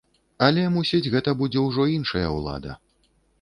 Але, мусіць, гэта будзе ўжо іншая ўлада.